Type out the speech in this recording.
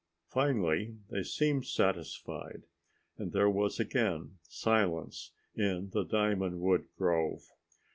Finally they seemed satisfied, and there was again silence in the diamond wood grove.